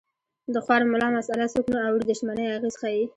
د خوار ملا مساله څوک نه اوري د شتمنۍ اغېز ښيي